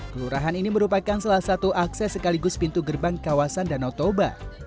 kelurahan ini merupakan salah satu akses sekaligus pintu gerbang kawasan danau toba